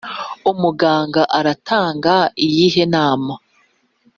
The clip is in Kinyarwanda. umuganga aratanga iyihe nama?